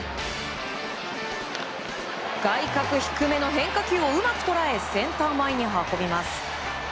外角低めの変化球をうまく捉えセンター前に運びます。